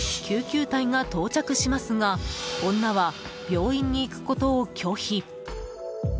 救急隊が到着しますが女は病院に行くことを拒否。